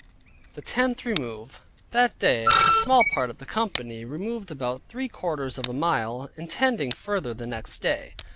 THE TENTH REMOVE That day a small part of the company removed about three quarters of a mile, intending further the next day.